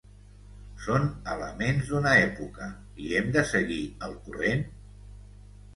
Són elements d'una època i hem de seguir el corrent?